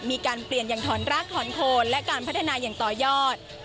มีการเปลี่ยนอย่างถอนรากถอนโคนและการพัฒนาอย่างต่อยอด